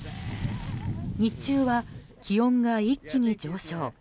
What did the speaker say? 日中は気温が一気に上昇。